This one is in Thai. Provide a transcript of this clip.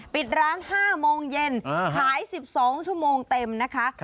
ปิดร้าน๕โมงเย็นขาย๑๒ชั่วโมงเต็มนะคะ